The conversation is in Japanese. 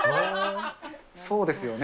そうですよね。